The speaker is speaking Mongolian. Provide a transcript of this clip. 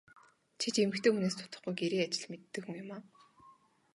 Чи ч эмэгтэй хүнээс дутахгүй гэрийн ажил мэддэг хүн юмаа.